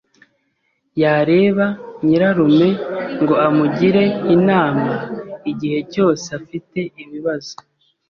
Yareba nyirarume ngo amugire inama igihe cyose afite ibibazo.